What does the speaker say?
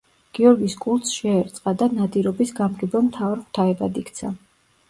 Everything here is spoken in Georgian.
გიორგის კულტს შეერწყა და ნადირობის გამგებელ მთავარ ღვთაებად იქცა.